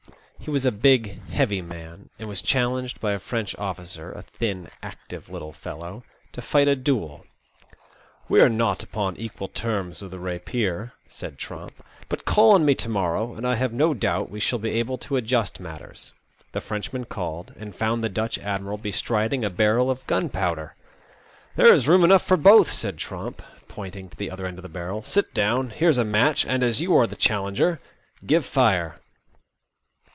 He was a big, heavy man, and was challenged by a French oflScer, a thin, active, little fellow, to fight a duel. " We are not upon equal terms with the rapier," said Tromp; "but call on me to morrow, and I have no doubt we shall be able to adjust matters." The Frenchman called, and found the Dutch admiral bestriding a barrel of gunpowder. " There is room enough for both," said Tromp, pointing to the other end of the barrel. Sit down. Here's a match, and, as you are the challenger, give fire."